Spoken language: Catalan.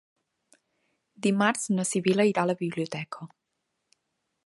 Dimarts na Sibil·la irà a la biblioteca.